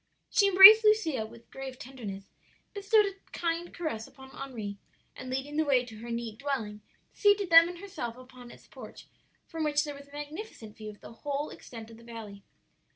"She embraced Lucia with grave tenderness, bestowed a kind caress upon Henri, and leading the way to her neat dwelling, seated them and herself upon its porch, from which there was a magnificent view of the whole extent of the valley.